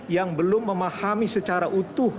yang belum memahami secara utuh